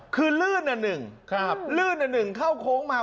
คือลื่นอันหนึ่งลื่นอันหนึ่งเข้าโค้งมา